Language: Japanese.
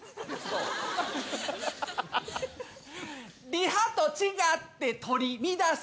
リハと違って取り乱す。